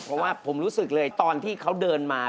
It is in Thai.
เพราะว่าผมรู้สึกเลยตอนที่เขาเดินมา